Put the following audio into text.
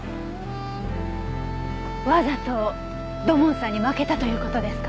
わざと土門さんに負けたという事ですか？